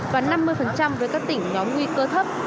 và năm mươi với các tỉnh nhóm nguy cơ thấp